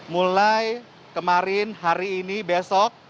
mulai kemarin hari ini besok